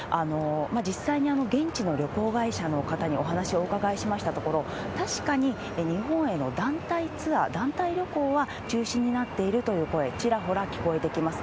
実際に現地の旅行会社の方にお話をお伺いしましたところ、確かに日本への団体ツアー、団体旅行は中止になっているという声、ちらほら聞こえてきます。